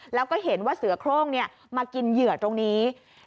แล้วก็เห็นว่าเสือโครงมากินเหยื่อตรงนี้